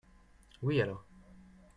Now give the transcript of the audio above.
oui alors.